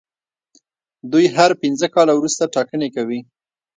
دوی هر پنځه کاله وروسته ټاکنې کوي.